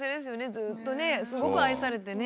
ずっとねすごく愛されてね。